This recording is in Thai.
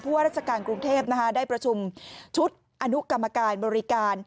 ว่าราชการกรุงเทพได้ประชุมชุดอนุกรรมการบริการ